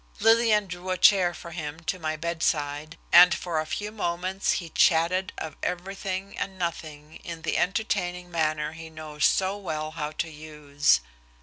Lillian drew a chair for him to my bedside, and for a few moments he chatted of everything and nothing in the entertaining manner he knows so well how to use.